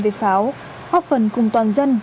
về pháo hóp phần cùng toàn dân